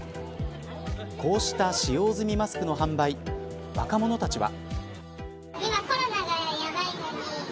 こうした使用済みマスクの販売若者たちは。